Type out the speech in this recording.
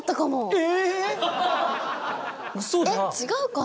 えっ違うかな。